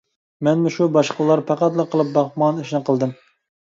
مەنمۇ شۇ باشقىلار پەقەتلا قىلىپ باقمىغان ئىشنى قىلمىدىم.